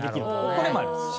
これもあります。